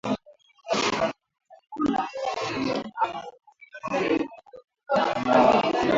Kupika viazi bila kuvichemsha